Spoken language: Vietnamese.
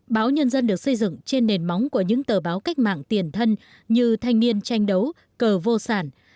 báo nhân dân được xây dựng trên nền móng của những tờ báo cách mạng tiền thân như thanh niên tranh đấu cờ vô sản